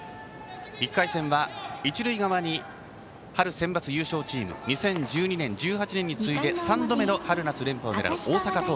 １回戦は一塁側に春センバツ優勝チーム２０１２年、１８年に次いで３度目の春夏連覇を狙う大阪桐蔭。